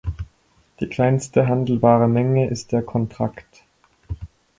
Die kleinste handelbare Menge ist der Kontrakt.